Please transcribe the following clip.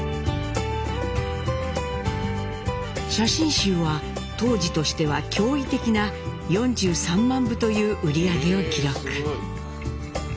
写真集は当時としては驚異的な４３万部という売り上げを記録。